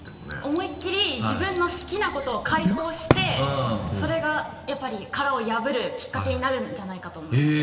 思いっきり自分の好きなことを解放してそれがやっぱり殻を破るきっかけになるんじゃないかと思いまして。